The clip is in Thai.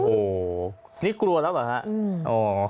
โอ้โหนี่กลัวแล้วเหรอฮะ